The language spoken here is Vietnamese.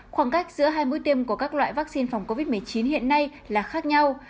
khoảng cách giữa hai mũi tiêm của các loại vaccine phòng covid một mươi chín hiện nay là khác nhau